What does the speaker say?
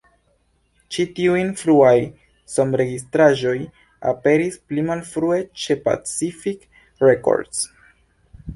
Ĉi tiuj fruaj sonregistraĵoj aperis pli malfrue ĉe Pacific Records.